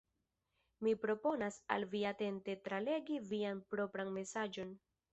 Mi proponas al vi atente tralegi vian propran mesaĝon.